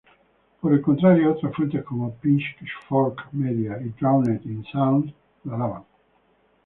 Por el contrario otras fuentes como Pitchfork Media y Drowned in Sound, lo alaban.